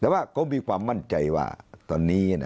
แล้วทำความมั่นใจว่าตอนนี้นะ